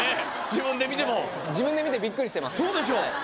自分で見ても自分で見てびっくりしてますそうでしょう